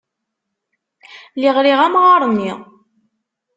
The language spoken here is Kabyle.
Lliɣ riɣ amɣar-nni.